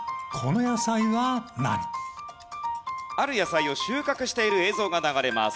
ある野菜を収穫している映像が流れます。